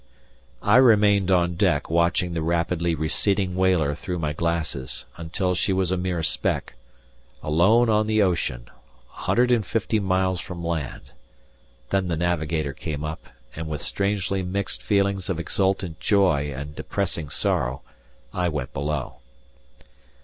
I remained on deck watching the rapidly receding whaler through my glasses until she was a mere speck alone on the ocean, 150 miles from land, Then the navigator came up, and with strangely mixed feelings of exultant joy and depressing sorrow I went below.